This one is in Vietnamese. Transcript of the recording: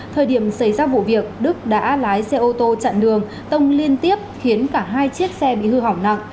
thời điểm xảy ra vụ việc đức đã lái xe ô tô chặn đường tông liên tiếp khiến cả hai chiếc xe bị hư hỏng nặng